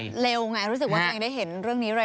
รู้สึกว่าเร็วไงรู้สึกว่ายังได้เห็นเรื่องนี้เร็ว